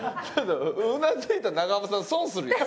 うなずいたら長濱さん損するよ？